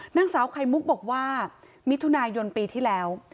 นางสาวไข่มุกบอกว่ามิถุนายนปีที่แล้ว